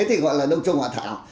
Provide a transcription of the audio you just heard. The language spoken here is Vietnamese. thì gọi là đông trùng hạ thảo